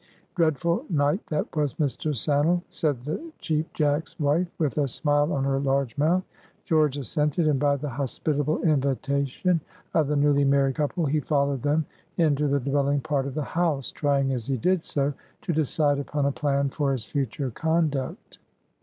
"Dreadful night that was, Mr. Sannel!" said the Cheap Jack's wife, with a smile on her large mouth. George assented, and by the hospitable invitation of the newly married couple he followed them into the dwelling part of the house, trying as he did so to decide upon a plan for his future conduct.